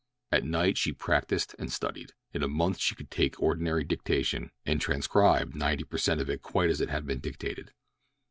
At night she practised and studied. In a month she could take ordinary dictation and transcribe ninety per cent of it quite as it had been dictated.